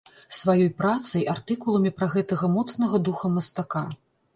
Сваёй працай, артыкуламі пра гэтага моцнага духам мастака.